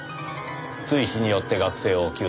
追試によって学生を救済する。